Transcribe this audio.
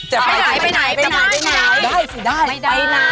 ไปไหนไปไหนไปไหนไปไหนได้สิได้ไปไหน